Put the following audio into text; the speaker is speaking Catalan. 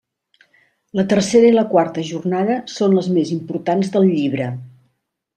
La tercera i la quarta jornada són les més importants del llibre.